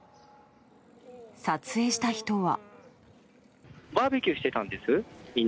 撮影した人は。